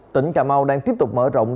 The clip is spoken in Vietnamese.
tỉnh cà mau đang tiếp tục mở rộng